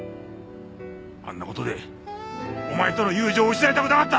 あんな事でお前との友情を失いたくなかった！